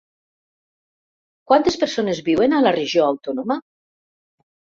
Quantes persones viuen a la Regió Autònoma?